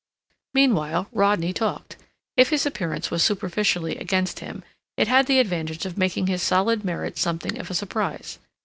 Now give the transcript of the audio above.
Meanwhile Rodney talked. If his appearance was superficially against him, it had the advantage of making his solid merits something of a surprise.